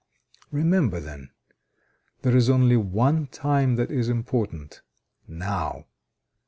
Remember then: there is only one time that is important Now!